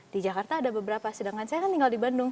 di jakarta ada beberapa sedangkan saya kan tinggal di bandung